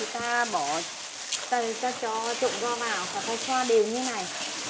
thì ta bỏ ta cho trộn gạo vào hoặc là xoa đều như này